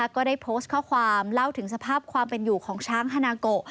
ก็ได้โพสต์ข้อความเล่าถึงสภาพความเป็นอยู่ของช้างฮานาโก